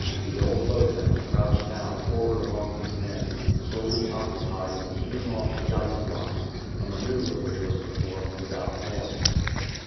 The old boatman crouched down forward among his men, solely occupied in keeping off the ice blocks, a maneuver which was performed without noise.